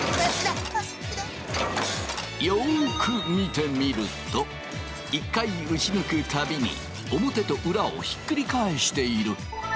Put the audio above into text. よく見てみると一回打ち抜く度に表と裏をひっくり返している。